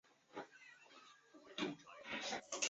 栗齿鼩鼱为鼩鼱科鼩鼱属的动物。